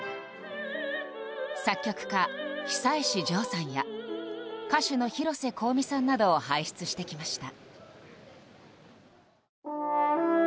作曲家・久石譲さんや歌手の広瀬香美さんなどを輩出してきました。